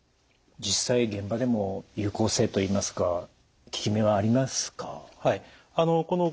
実際現場でも有効性といいますか効き目はありますか？